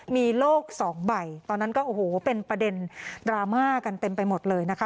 มีโลกสองใบตอนนั้นก็โอ้โหเป็นประเด็นดราม่ากันเต็มไปหมดเลยนะคะ